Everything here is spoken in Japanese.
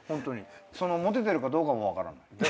モテてるかどうかも分からない。